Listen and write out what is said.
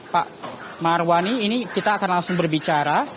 pak marwani ini kita akan langsung berbicara